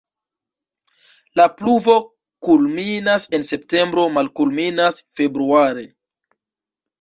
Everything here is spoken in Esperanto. La pluvo kulminas en septembro, malkulminas februare.